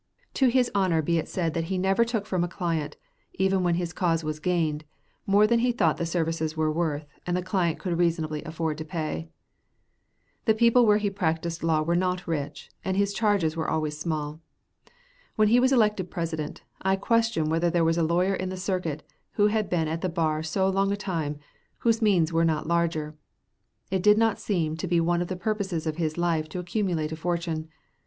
To his honor be it said that he never took from a client, even when his cause was gained, more than he thought the services were worth and the client could reasonably afford to pay. The people where he practiced law were not rich, and his charges were always small. When he was elected President, I question whether there was a lawyer in the circuit, who had been at the bar so long a time, whose means were not larger. It did not seem to be one of the purposes of his life to accumulate a fortune.